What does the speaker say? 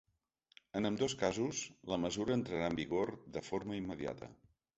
En ambdós casos, la mesura entrarà en vigor de forma immediata.